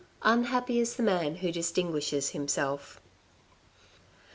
Unhappy is the man who distinguishes himself.